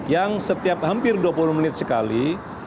yang setiap hampir dua puluh menit sekali